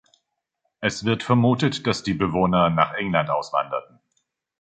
Es wird vermutet, dass die Bewohner nach England auswanderten.